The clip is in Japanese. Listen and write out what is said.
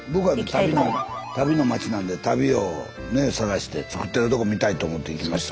足袋の町なんで足袋を探して作ってるとこ見たいと思って行きましたね。